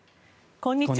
こんにちは。